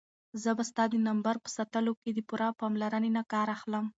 زه به ستا د نمبر په ساتلو کې د پوره پاملرنې نه کار اخلم.